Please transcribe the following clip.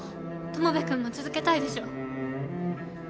友部くんも続けたいでしょ？